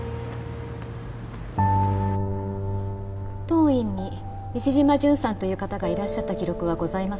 当院に西島ジュンさんという方がいらっしゃった記録はございません。